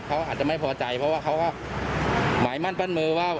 เขาอาจจะไม่พอใจเพราะว่าเขาก็หมายมั่นปั้นมือว่า